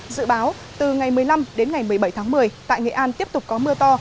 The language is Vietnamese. dự báo từ ngày một mươi năm đến ngày một mươi bảy tháng một mươi tại nghệ an tiếp tục có mưa to